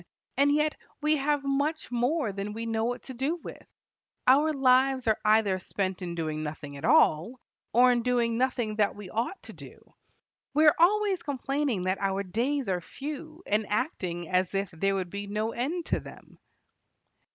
And yet we have much more than we know what to do with. Our lives are either spent in doing nothing at all, or in doing nothing that we ought to do. We are always complaining that our days are few, and acting as if there would be no end to them."